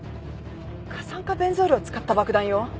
過酸化ベンゾイルを使った爆弾よ。